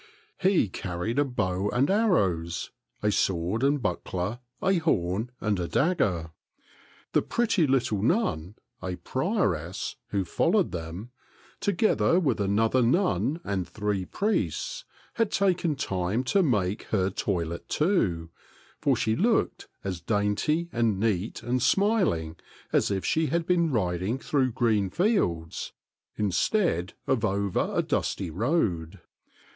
He carried a bow and arrows, a sword and buckler, a horn, and a dagger. The pretty little nun, a prioress, who followed them, together with another nun and three priests, had taken time to make her toilet, too, for she looked as dainty and neat and smiling as if she had been riding through green fields instead of over a dusty road.